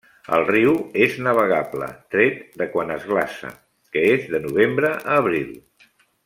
El riu és navegable, tret de quan es glaça, que és de novembre a abril.